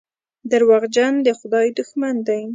دروغجن د خدای دښمن دی.